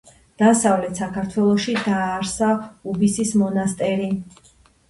დასავლეთ საქართველოში დააარსა უბისის მონასტერი.